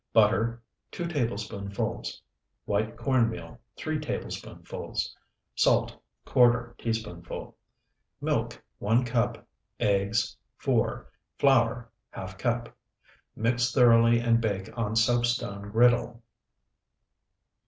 Butter, 2 tablespoonfuls. White corn meal, 3 tablespoonfuls. Salt, ¼ teaspoonful. Milk, 1 cup. Eggs, 4. Flour, ½ cup. Mix thoroughly and bake on soapstone griddle.